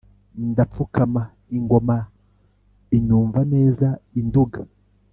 ndapfukama ingoma inyumva neza i Nduga,